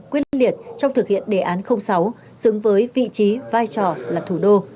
quyết liệt trong thực hiện đề án sáu xứng với vị trí vai trò là thủ đô